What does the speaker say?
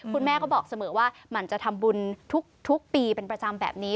คุณแม่ก็บอกเสมอว่ามันจะทำบุญทุกปีเป็นประจำแบบนี้